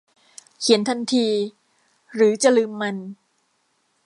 เขียนทันทีหรือจะลืมมัน